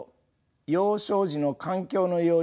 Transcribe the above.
幼少時の環境の要因